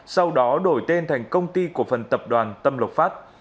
sau đó đổi tên thành công ty cổ phần tập đoàn tâm lộc phát